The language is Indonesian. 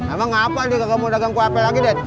emang ngapa dia kagak mau dagang kuahp lagi det